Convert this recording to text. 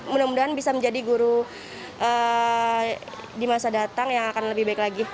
mudah mudahan bisa menjadi guru di masa datang yang akan lebih baik lagi